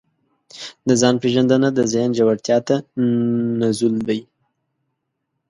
د ځان پېژندنه د ذهن ژورتیا ته نزول دی.